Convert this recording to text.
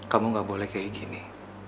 kamu gak boleh kayak gini